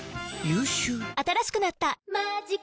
新しくなった「マジカ」